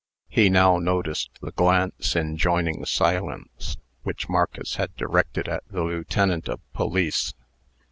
He now noticed the glance enjoining silence, which Marcus had directed at the lieutenant of police.